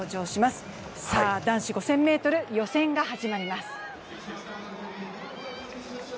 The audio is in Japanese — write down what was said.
男子５０００ｍ予選が始まります。